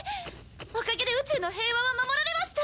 おかげで宇宙の平和は守られました。